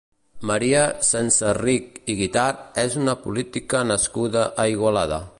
Maria Senserrich i Guitart és una política nascuda a Igualada.